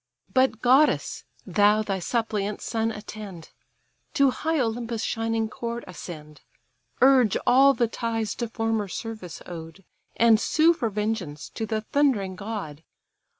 But, goddess! thou thy suppliant son attend. To high Olympus' shining court ascend, Urge all the ties to former service owed, And sue for vengeance to the thundering god.